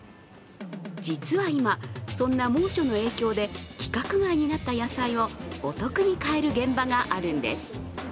実は今、そんな猛暑の影響で規格外になった野菜をお得に買える現場があるんです。